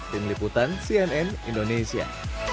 tim liputan cnn indonesia